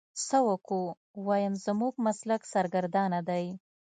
څه وکو ويم زموږ مسلک سرګردانه دی.